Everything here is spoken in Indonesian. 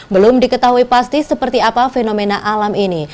belum diketahui pasti seperti apa fenomena alam ini